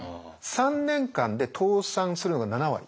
３年間で倒産するのが７割。